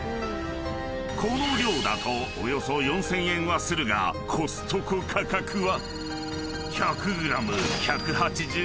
［この量だとおよそ４，０００円はするがコストコ価格は］